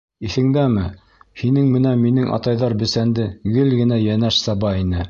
Иҫеңдәме, һинең менән минең атайҙар бесәнде гел генә йәнәш саба ине...